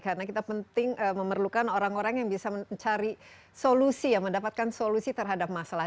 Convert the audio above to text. karena kita penting memerlukan orang orang yang bisa mencari solusi yang mendapatkan solusi terhadap masalah